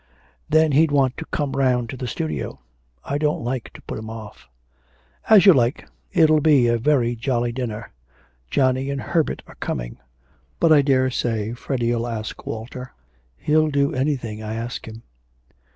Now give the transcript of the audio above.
'Then he'd want to come round to the studio. I don't like to put him off.' 'As you like.... It'll be a very jolly dinner. Johnny and Herbert are coming. But I daresay Freddy'll ask Walter. He'll do anything I ask him.'